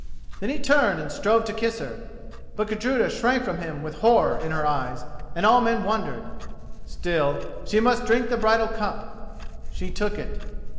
Then he turned and strove to kiss her. But Gudruda shrank from him with horror in her eyes, and all men wondered. Still she must drink the bridal cup. She took it.